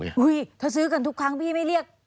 เฮ้ยเขาซื้อกันทุกครั้งพี่ไม่เรียก